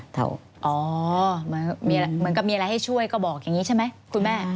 อ๋อเหมือนกับมีอะไรให้ช่วยก็บอกอย่างนี้ใช่ไหมคุณแม่